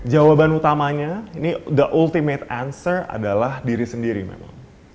jawaban utamanya the ultimate answer adalah diri sendiri memang